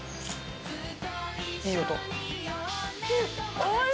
いい音。